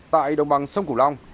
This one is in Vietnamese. tại đồng bằng sông củ long